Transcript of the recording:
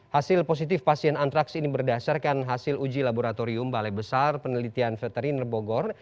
hasil positif pasien antraks ini berdasarkan hasil uji laboratorium balai besar penelitian veteriner bogor